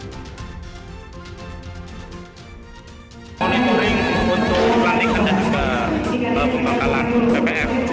kering untuk klantik dan juga pembangkalan pps